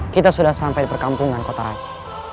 kita sudah sampai di perkampungan kota raja